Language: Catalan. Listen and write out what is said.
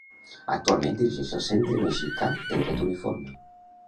Actualment dirigix el Centre Mexicà de Dret Uniforme.